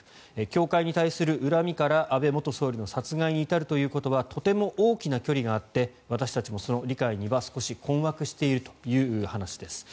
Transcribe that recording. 教会に対する恨みから安倍元総理の殺害に至るということはとても大きな距離があって私たちもその理解には少し困惑しているという話です。